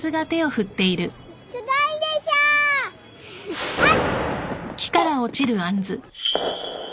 すごいでしょ？あっ！